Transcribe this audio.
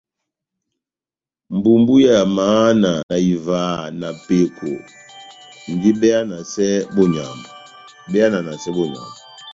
Mbumbu ya mahana na ivaha na peko ndi be yananasɛ bonyamu.